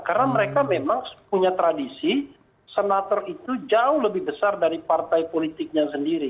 karena mereka memang punya tradisi senator itu jauh lebih besar dari partai politiknya sendiri